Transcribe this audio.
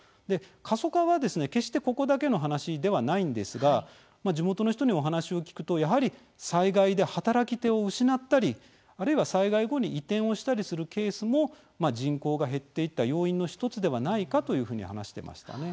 過疎化は決してここだけの話ではないんですが地元の人にお話を聞くとやはり災害で働き手を失ったりあるいは、災害後に移転をしたりするケースも人口が減っていった要因の１つではないかというふうに話してましたね。